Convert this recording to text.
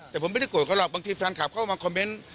แต่ผมไม่ได้โกรธเขาหรอกบางทีแฟนคลับเข้ามาคอมเมนต์